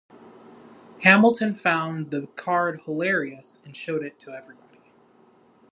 Hamilton found the card hilarious and showed it to everybody.